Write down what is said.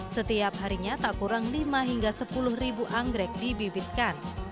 setiap harinya tak kurang lima hingga sepuluh ribu anggrek dibibitkan